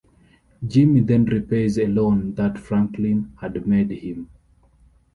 Jimmy then repays a loan that Franklin had made him.